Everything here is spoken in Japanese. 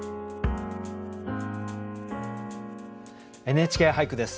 「ＮＨＫ俳句」です。